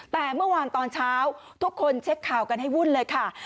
แต่เมื่อวานตอนเช้าทุกคนเช็คข่าวกันให้วุ่นเลยค่ะ